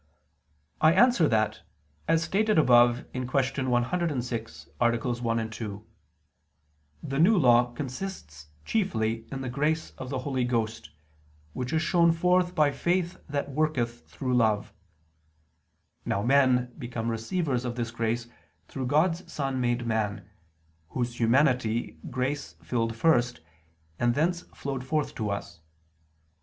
I answer that, As stated above (Q. 106, AA. 1, 2), the New Law consists chiefly in the grace of the Holy Ghost, which is shown forth by faith that worketh through love. Now men become receivers of this grace through God's Son made man, Whose humanity grace filled first, and thence flowed forth to us.